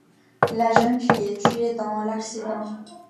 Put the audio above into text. La jeune fille est tuée dans l'accident.